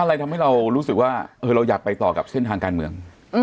อะไรทำให้เรารู้สึกว่าเราอยากไปต่อกับเส้นทางการเมือง